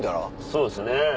そうですよね。